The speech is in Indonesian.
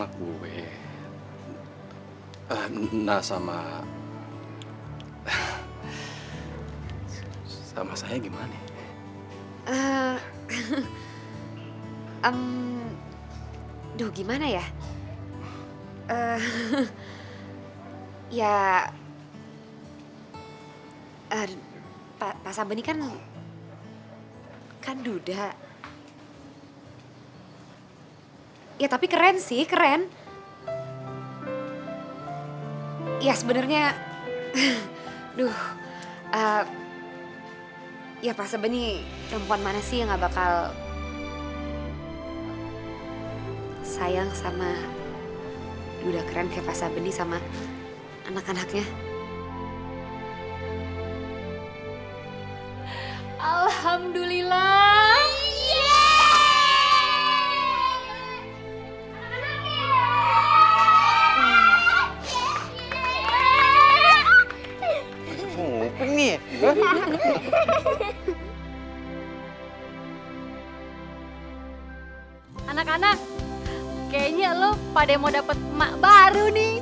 kalau kalian akan terus belajar